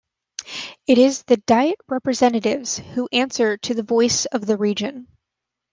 It is the Diet representatives who answer to the voice of the region.